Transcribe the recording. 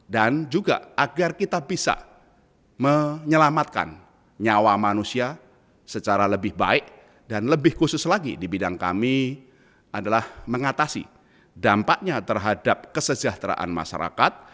juga agar kita bisa menyelamatkan nyawa manusia secara lebih baik dan lebih khusus lagi di bidang kami adalah mengatasi dampaknya terhadap kesejahteraan masyarakat